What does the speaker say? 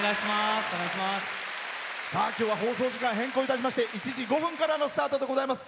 今日は放送時間変更いたしまして１時５分からのスタートでございます。